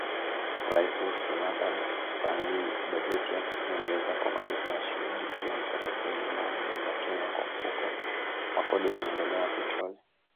Rais Uhuru Kenyatta alisaini bajeti ya nyongeza kwa malipo ya shilingi bilioni thelathini na nne za Kenya kwa Mfuko wa Kodi ya Maendeleo ya Petroli.